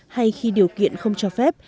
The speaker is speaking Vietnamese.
hay khi điều kiện không cho phép